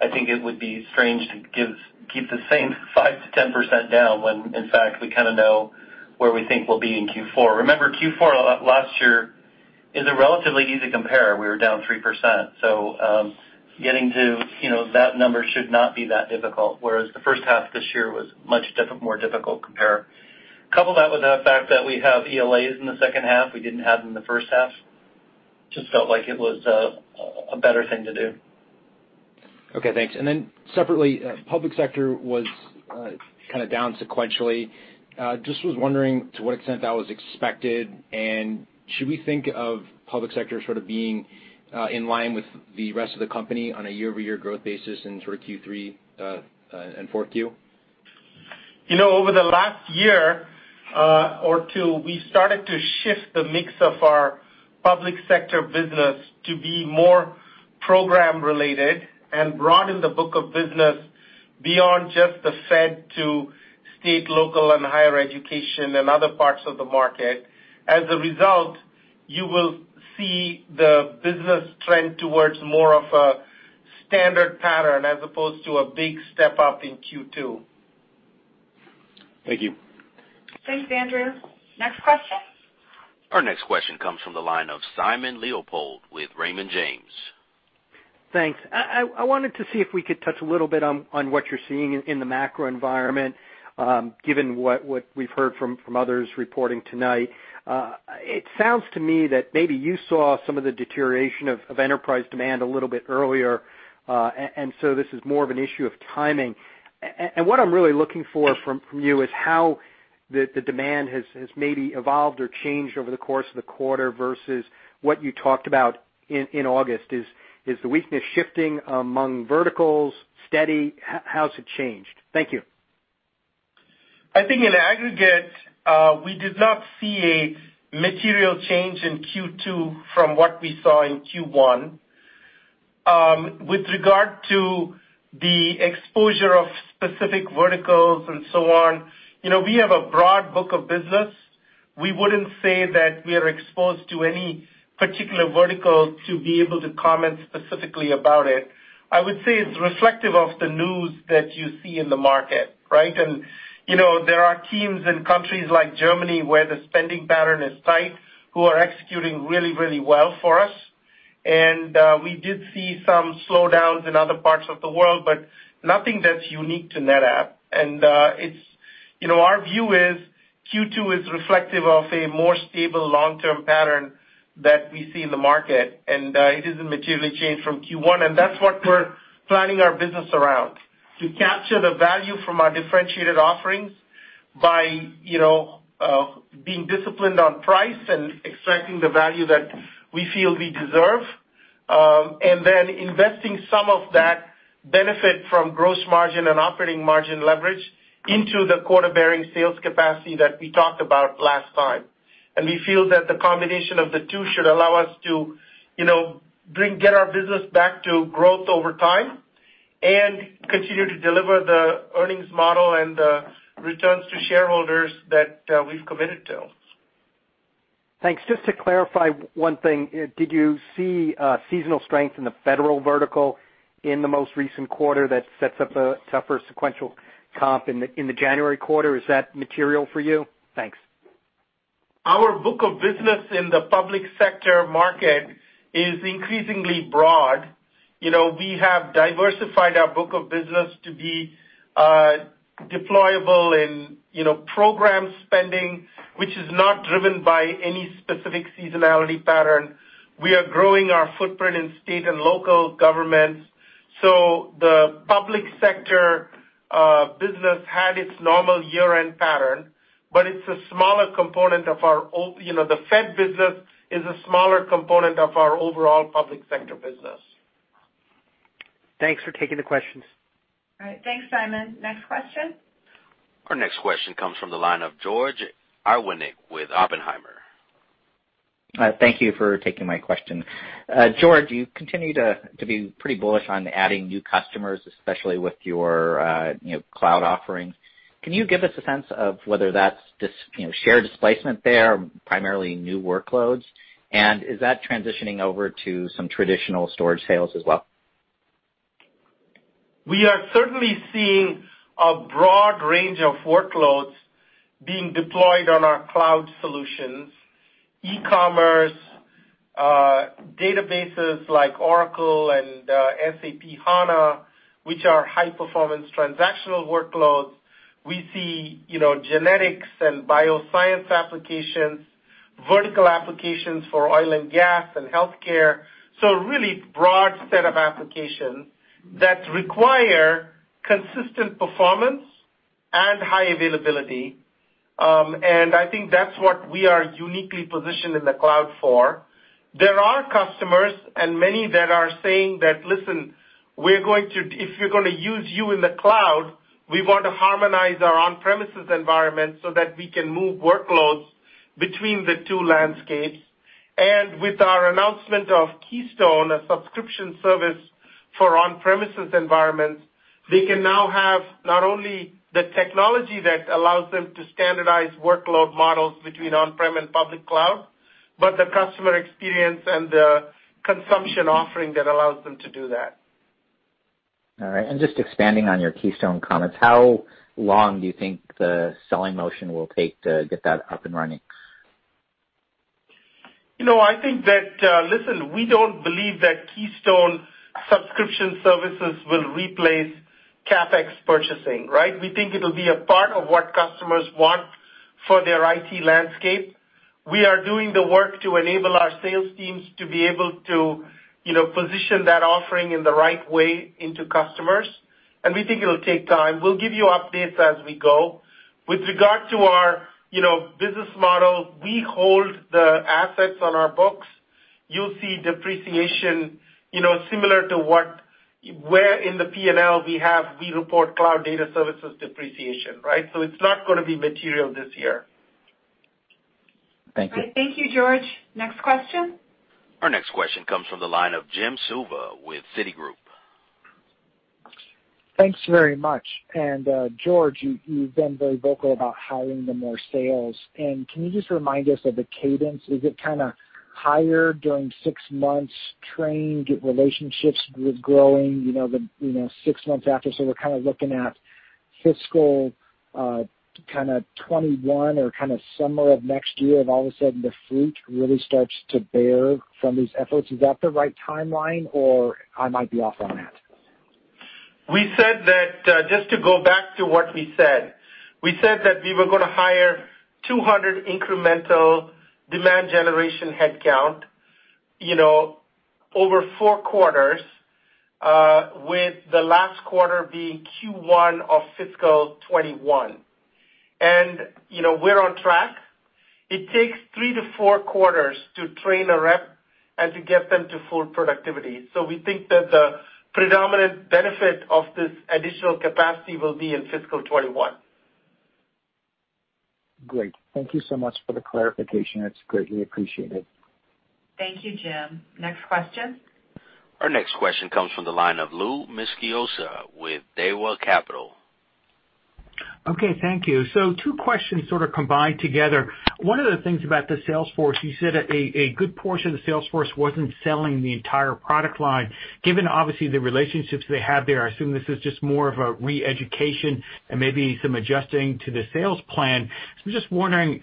I think it would be strange to keep the same 5%-10% down when, in fact, we kind of know where we think we'll be in Q4. Remember, Q4 last year is a relatively easy compare. We were down 3%. Getting to that number should not be that difficult, whereas the first half of this year was much more difficult to compare. Couple that with the fact that we have ELAs in the second half. We did not have them in the first half. Just felt like it was a better thing to do. Okay. Thanks. Then separately, public sector was kind of down sequentially. Just was wondering to what extent that was expected, and should we think of public sector sort of being in line with the rest of the company on a year-over-year growth basis in sort of Q3 and Q4? Over the last year or two, we started to shift the mix of our public sector business to be more program-related and broaden the book of business beyond just the Fed to state, local, and higher education and other parts of the market. As a result, you will see the business trend towards more of a standard pattern as opposed to a big step up in Q2. Thank you. Thanks, Andrew. Next question. Our next question comes from the line of Simon Leopold with Raymond James. Thanks. I wanted to see if we could touch a little bit on what you're seeing in the macro environment, given what we've heard from others reporting tonight. It sounds to me that maybe you saw some of the deterioration of enterprise demand a little bit earlier, and so this is more of an issue of timing. What I'm really looking for from you is how the demand has maybe evolved or changed over the course of the quarter versus what you talked about in August. Is the weakness shifting among verticals, steady? How's it changed? Thank you. I think in aggregate, we did not see a material change in Q2 from what we saw in Q1. With regard to the exposure of specific verticals and so on, we have a broad book of business. We would not say that we are exposed to any particular vertical to be able to comment specifically about it. I would say it is reflective of the news that you see in the market, right? There are teams in countries like Germany where the spending pattern is tight, who are executing really, really well for us. We did see some slowdowns in other parts of the world, but nothing that is unique to NetApp. Our view is Q2 is reflective of a more stable long-term pattern that we see in the market, and it is not materially changed from Q1. That is what we are planning our business around: to capture the value from our differentiated offerings by being disciplined on price and extracting the value that we feel we deserve, and then investing some of that benefit from gross margin and operating margin leverage into the quarter-bearing sales capacity that we talked about last time. We feel that the combination of the two should allow us to get our business back to growth over time and continue to deliver the earnings model and the returns to shareholders that we have committed to. Thanks. Just to clarify one thing, did you see seasonal strength in the federal vertical in the most recent quarter that sets up a tougher sequential comp in the January quarter? Is that material for you? Thanks. Our book of business in the public sector market is increasingly broad. We have diversified our book of business to be deployable in program spending, which is not driven by any specific seasonality pattern. We are growing our footprint in state and local governments. The public sector business had its normal year-end pattern, but the Fed business is a smaller component of our overall public sector business. Thanks for taking the questions. All right. Thanks, Simon. Next question. Our next question comes from the line of George Iwanyc with Oppenheimer. Thank you for taking my question. George, you continue to be pretty bullish on adding new customers, especially with your cloud offerings. Can you give us a sense of whether that's shared displacement there or primarily new workloads? And is that transitioning over to some traditional storage sales as well? We are certainly seeing a broad range of workloads being deployed on our cloud solutions, e-commerce, databases like Oracle and SAP HANA, which are high-performance transactional workloads. We see genetics and bioscience applications, vertical applications for oil and gas, and healthcare. A really broad set of applications that require consistent performance and high availability. I think that's what we are uniquely positioned in the cloud for. There are customers and many that are saying that, "Listen, if we're going to use you in the cloud, we want to harmonize our on-premises environment so that we can move workloads between the two landscapes." With our announcement of Keystone, a subscription service for on-premises environments, they can now have not only the technology that allows them to standardize workload models between on-prem and public cloud, but the customer experience and the consumption offering that allows them to do that. All right. Just expanding on your Keystone comments, how long do you think the selling motion will take to get that up and running? I think that, listen, we do not believe that Keystone subscription services will replace CapEx purchasing, right? We think it will be a part of what customers want for their IT landscape. We are doing the work to enable our sales teams to be able to position that offering in the right way into customers. We think it will take time. We will give you updates as we go. With regard to our business model, we hold the assets on our books. You will see depreciation similar to where in the P&L we report cloud data services depreciation, right? It is not going to be material this year. Thank you. Okay. Thank you, George. Next question. Our next question comes from the line of Jim Suva with Citigroup. Thanks very much. George, you've been very vocal about hiring more sales. Can you just remind us of the cadence? Is it kind of hire during six months, train, get relationships with growing six months after? We are kind of looking at fiscal 2021 or kind of summer of next year of all of a sudden the fruit really starts to bear from these efforts. Is that the right timeline, or I might be off on that? We said that just to go back to what we said, we said that we were going to hire 200 incremental demand generation headcount over four quarters, with the last quarter being Q1 of fiscal 2021. We are on track. It takes three to four quarters to train a rep and to get them to full productivity. We think that the predominant benefit of this additional capacity will be in fiscal 2021. Great. Thank you so much for the clarification. It's greatly appreciated. Thank you, Jim. Next question. Our next question comes from the line of Louis Miscioscia with Daiwa Capital. Okay. Thank you. Two questions sort of combined together. One of the things about the Salesforce, you said a good portion of the Salesforce wasn't selling the entire product line. Given obviously the relationships they have there, I assume this is just more of a re-education and maybe some adjusting to the sales plan. I'm just wondering, is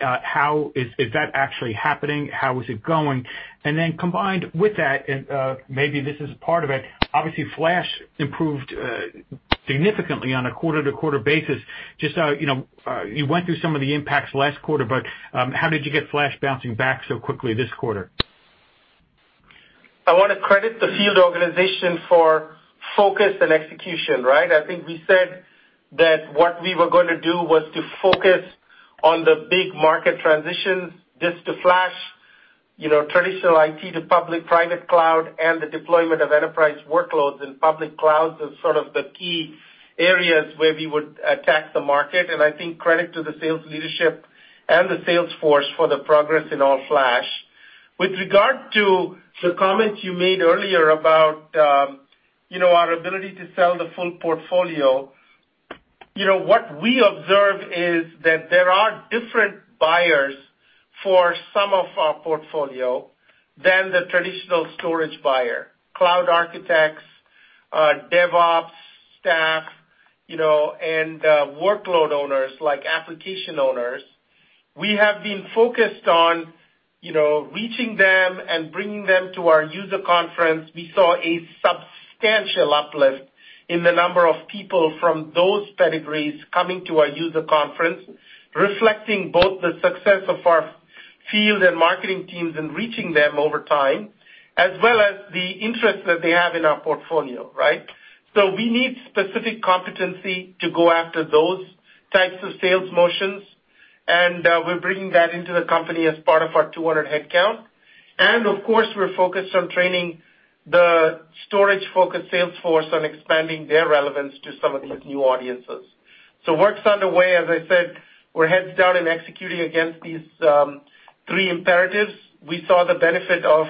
that actually happening? How is it going? Combined with that, and maybe this is part of it, obviously Flash improved significantly on a quarter-to-quarter basis. Just you went through some of the impacts last quarter, but how did you get Flash bouncing back so quickly this quarter? I want to credit the field organization for focus and execution, right? I think we said that what we were going to do was to focus on the big market transitions, this to Flash, traditional IT to public-private cloud, and the deployment of enterprise workloads in public clouds is sort of the key areas where we would attack the market. I think credit to the sales leadership and the Salesforce for the progress in all Flash. With regard to the comments you made earlier about our ability to sell the full portfolio, what we observe is that there are different buyers for some of our portfolio than the traditional storage buyer: cloud architects, DevOps staff, and workload owners like application owners. We have been focused on reaching them and bringing them to our user conference. We saw a substantial uplift in the number of people from those pedigrees coming to our user conference, reflecting both the success of our field and marketing teams in reaching them over time, as well as the interest that they have in our portfolio, right? We need specific competency to go after those types of sales motions, and we're bringing that into the company as part of our 200 headcount. Of course, we're focused on training the storage-focused Salesforce on expanding their relevance to some of these new audiences. Work's underway. As I said, we're heads down and executing against these three imperatives. We saw the benefit of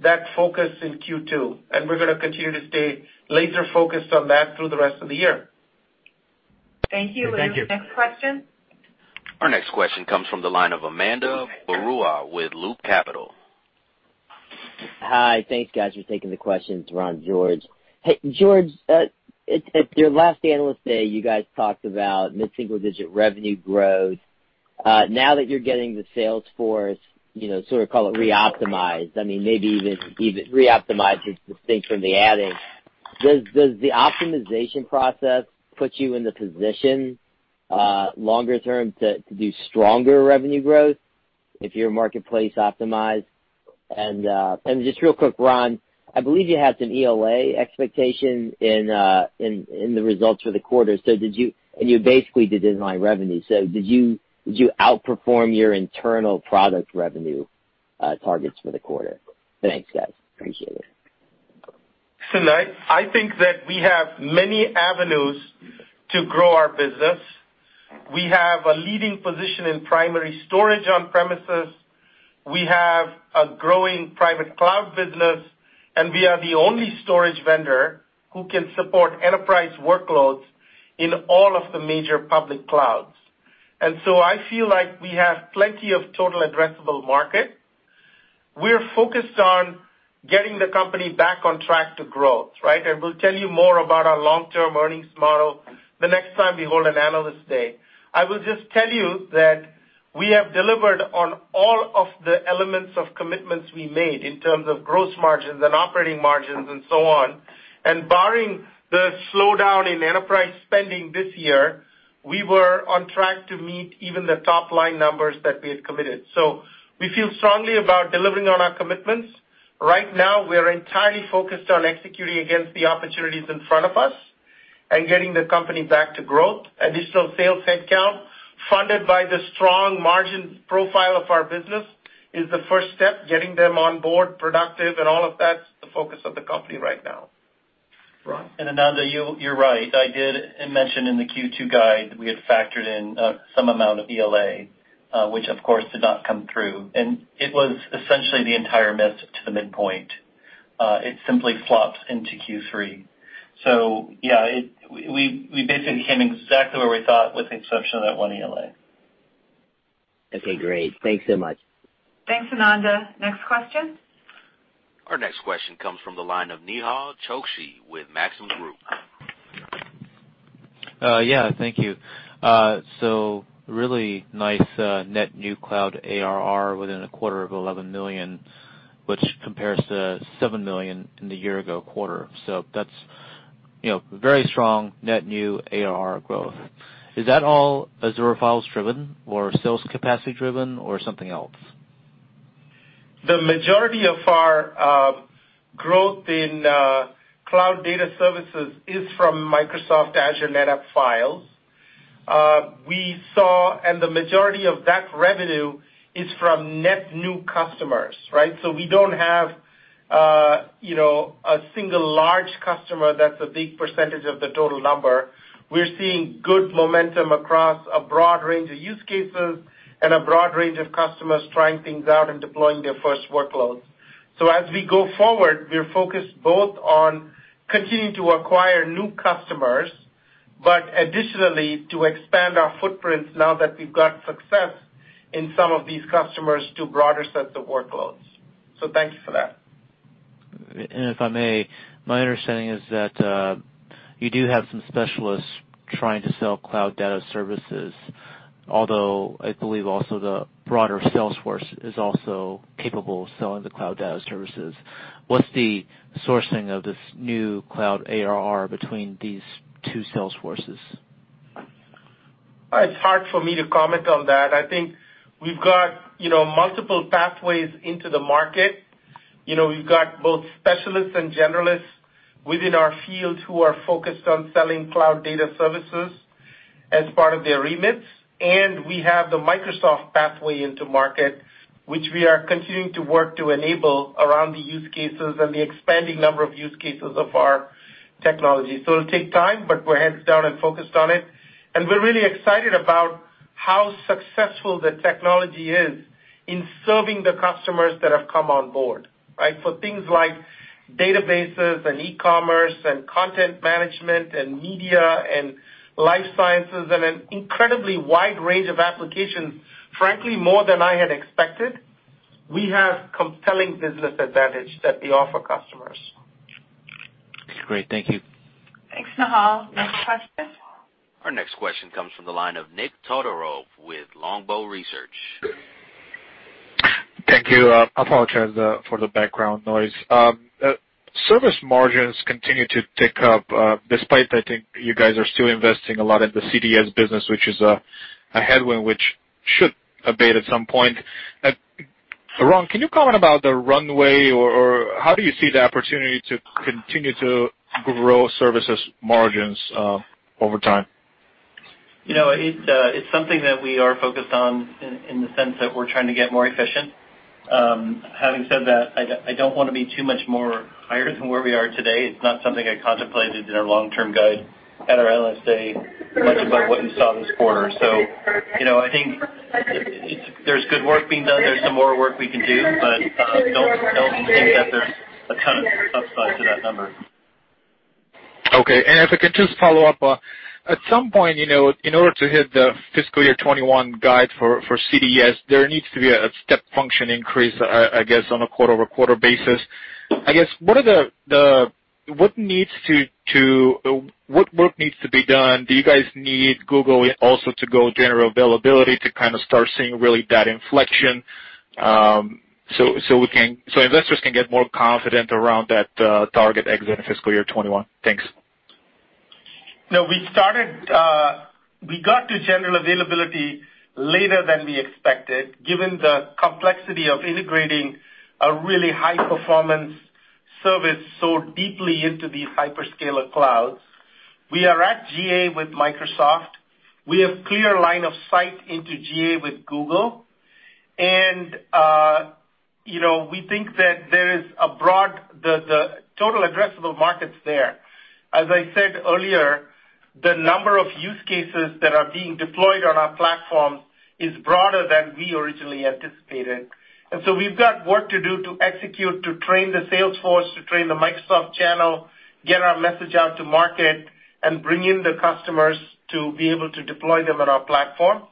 that focus in Q2, and we're going to continue to stay laser-focused on that through the rest of the year. Thank you. Thank you. Next question. Our next question comes from the line of Ananda Baruah with Loop Capital. Hi. Thanks, guys, for taking the questions, Ron and George. George, at your last analyst day, you guys talked about mid-single digit revenue growth. Now that you're getting the Salesforce, sort of call it re-optimized, I mean, maybe even re-optimized is distinct from the adding. Does the optimization process put you in the position longer term to do stronger revenue growth if you're marketplace optimized? And just real quick, Ron, I believe you had some ELA expectation in the results for the quarter, and you basically did inline revenue. Did you outperform your internal product revenue targets for the quarter? Thanks, guys. Appreciate it. I think that we have many avenues to grow our business. We have a leading position in primary storage on-premises. We have a growing private cloud business, and we are the only storage vendor who can support enterprise workloads in all of the major public clouds. I feel like we have plenty of total addressable market. We're focused on getting the company back on track to growth, right? We'll tell you more about our long-term earnings model the next time we hold an analyst day. I will just tell you that we have delivered on all of the elements of commitments we made in terms of gross margins and operating margins and so on. Barring the slowdown in enterprise spending this year, we were on track to meet even the top-line numbers that we had committed. We feel strongly about delivering on our commitments. Right now, we're entirely focused on executing against the opportunities in front of us and getting the company back to growth. Additional sales headcount funded by the strong margin profile of our business is the first step. Getting them on board, productive, and all of that's the focus of the company right now. Ron. And Ananda, you're right. I did mention in the Q2 guide that we had factored in some amount of ELA, which, of course, did not come through. It was essentially the entire miss to the midpoint. It simply flopped into Q3. Yeah, we basically came exactly where we thought with the exception of that one ELA. Okay. Great. Thanks so much. Thanks, Ananda. Next question. Our next question comes from the line of Nehal Chokshi with Maxim Group. Yeah. Thank you. Really nice net new cloud ARR within a quarter of $11 million, which compares to $7 million in the year-ago quarter. That's very strong net new ARR growth. Is that all Azure Files driven or sales capacity driven or something else? The majority of our growth in cloud data services is from Microsoft Azure NetApp Files. The majority of that revenue is from net new customers, right? We do not have a single large customer that's a big percentage of the total number. We are seeing good momentum across a broad range of use cases and a broad range of customers trying things out and deploying their first workloads. As we go forward, we are focused both on continuing to acquire new customers, but additionally to expand our footprints now that we have got success in some of these customers to broader sets of workloads. Thank you for that. If I may, my understanding is that you do have some specialists trying to sell cloud data services, although I believe also the broader Salesforce is also capable of selling the cloud data services. What's the sourcing of this new cloud ARR between these two Salesforces? It's hard for me to comment on that. I think we've got multiple pathways into the market. We've got both specialists and generalists within our field who are focused on selling cloud data services as part of their remits. We have the Microsoft pathway into market, which we are continuing to work to enable around the use cases and the expanding number of use cases of our technology. It will take time, but we're heads down and focused on it. We're really excited about how successful the technology is in serving the customers that have come on board, right, for things like databases and e-commerce and content management and media and life sciences and an incredibly wide range of applications, frankly, more than I had expected. We have compelling business advantage that we offer customers. Great. Thank you. Thanks, Nihal. Next question. Our next question comes from the line of Nik Todorov with Longbow Research. Thank you. I apologize for the background noise. Service margins continue to tick up despite I think you guys are still investing a lot in the CDS business, which is a headwind which should abate at some point. Ron, can you comment about the runway, or how do you see the opportunity to continue to grow services margins over time? It's something that we are focused on in the sense that we're trying to get more efficient. Having said that, I don't want to be too much more higher than where we are today. It's not something I contemplated in our long-term guide at our LSA, much of what you saw this quarter. I think there's good work being done. There's some more work we can do, but don't think that there's a ton of upside to that number. Okay. If I can just follow up, at some point, in order to hit the fiscal year 2021 guide for CDS, there needs to be a step function increase, I guess, on a quarter-over-quarter basis. I guess, what needs to—what work needs to be done? Do you guys need Google also to go general availability to kind of start seeing really that inflection so investors can get more confident around that target exit in fiscal year 2021? Thanks. No, we got to general availability later than we expected, given the complexity of integrating a really high-performance service so deeply into these hyperscaler clouds. We are at GA with Microsoft. We have a clear line of sight into GA with Google. We think that there is a broad—the total addressable market's there. As I said earlier, the number of use cases that are being deployed on our platforms is broader than we originally anticipated. We have work to do to execute, to train the Salesforce, to train the Microsoft channel, get our message out to market, and bring in the customers to be able to deploy them on our platform.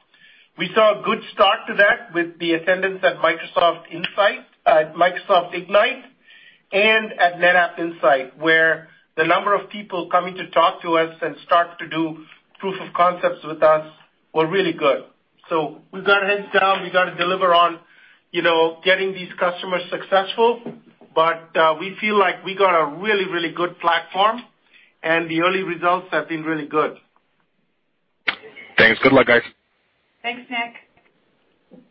We saw a good start to that with the attendance at Microsoft Insight, at Microsoft Ignite, and at NetApp Insight, where the number of people coming to talk to us and start to do proof of concepts with us were really good. We have our heads down. We have to deliver on getting these customers successful, but we feel like we got a really, really good platform, and the early results have been really good. Thanks. Good luck, guys. Thanks, Nik.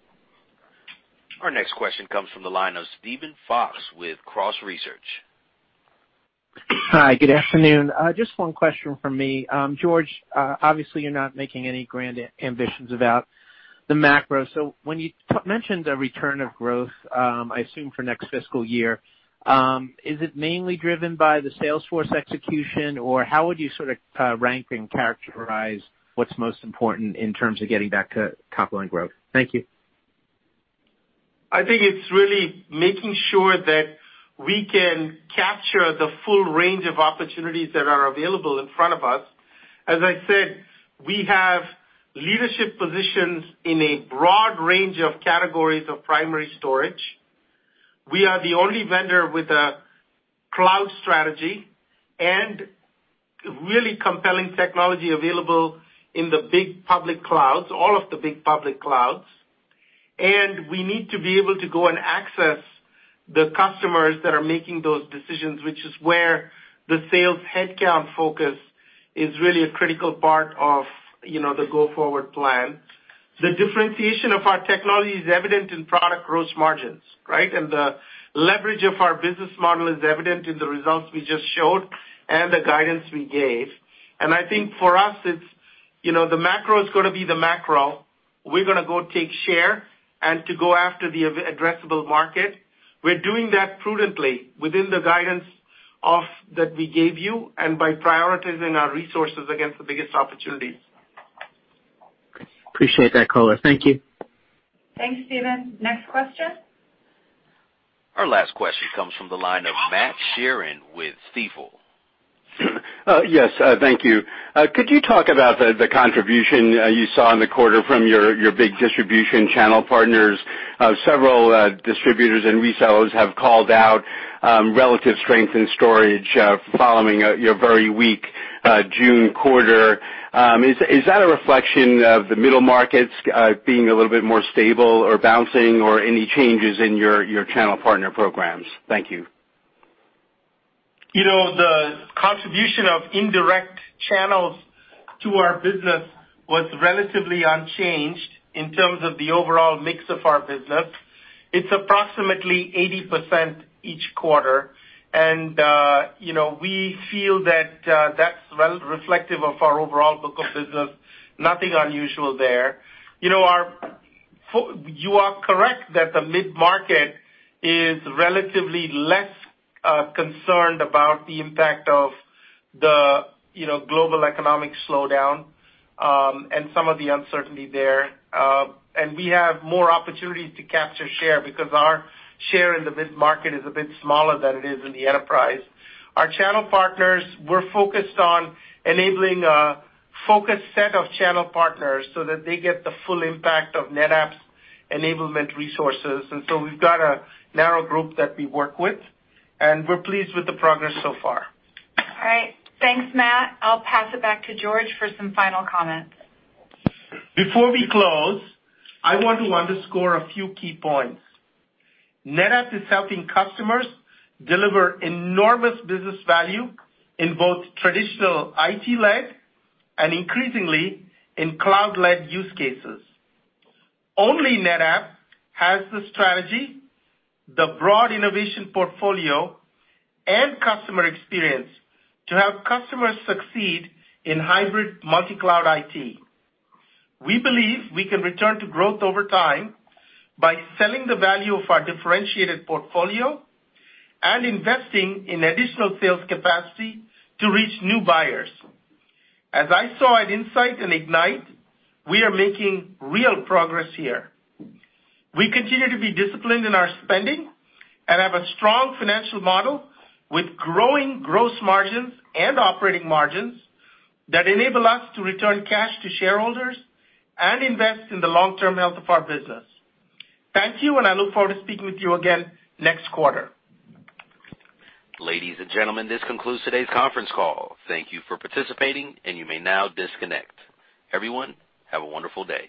Our next question comes from the line of Steven Fox with Cross Research. Hi. Good afternoon. Just one question from me. George, obviously, you are not making any grand ambitions about the macro. When you mentioned the return of growth, I assume for next fiscal year, is it mainly driven by the Salesforce execution, or how would you sort of rank and characterize what's most important in terms of getting back to top-line growth? Thank you. I think it's really making sure that we can capture the full range of opportunities that are available in front of us. As I said, we have leadership positions in a broad range of categories of primary storage. We are the only vendor with a cloud strategy and really compelling technology available in the big public clouds, all of the big public clouds. We need to be able to go and access the customers that are making those decisions, which is where the sales headcount focus is really a critical part of the go-forward plan. The differentiation of our technology is evident in product gross margins, right? The leverage of our business model is evident in the results we just showed and the guidance we gave. I think for us, the macro is going to be the macro. We're going to go take share and to go after the addressable market. We're doing that prudently within the guidance that we gave you and by prioritizing our resources against the biggest opportunities. Appreciate that, color. Thank you. Thanks, Steven. Next question. Our last question comes from the line of Matt Sheerin with Stifel. Yes. Thank you. Could you talk about the contribution you saw in the quarter from your big distribution channel partners? Several distributors and resellers have called out relative strength in storage following your very weak June quarter. Is that a reflection of the middle markets being a little bit more stable or bouncing or any changes in your channel partner programs? Thank you. The contribution of indirect channels to our business was relatively unchanged in terms of the overall mix of our business. It's approximately 80% each quarter. We feel that that's reflective of our overall book of business. Nothing unusual there. You are correct that the mid-market is relatively less concerned about the impact of the global economic slowdown and some of the uncertainty there. We have more opportunities to capture share because our share in the mid-market is a bit smaller than it is in the enterprise. Our channel partners, we're focused on enabling a focused set of channel partners so that they get the full impact of NetApp's enablement resources. We have a narrow group that we work with, and we're pleased with the progress so far. All right. Thanks, Matt. I'll pass it back to George for some final comments. Before we close, I want to underscore a few key points. NetApp is helping customers deliver enormous business value in both traditional IT-led and increasingly in cloud-led use cases. Only NetApp has the strategy, the broad innovation portfolio, and customer experience to help customers succeed in hybrid multi-cloud IT. We believe we can return to growth over time by selling the value of our differentiated portfolio and investing in additional sales capacity to reach new buyers. As I saw at Insight and Ignite, we are making real progress here. We continue to be disciplined in our spending and have a strong financial model with growing gross margins and operating margins that enable us to return cash to shareholders and invest in the long-term health of our business. Thank you, and I look forward to speaking with you again next quarter. Ladies and gentlemen, this concludes today's conference call. Thank you for participating, and you may now disconnect. Everyone, have a wonderful day.